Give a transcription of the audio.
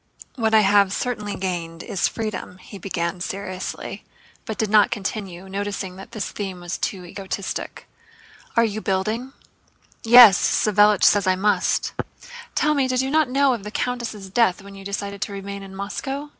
"What I have certainly gained is freedom," he began seriously, but did not continue, noticing that this theme was too egotistic. "And are you building?" "Yes. Savélich says I must!" "Tell me, you did not know of the countess' death when you decided to remain in Moscow?"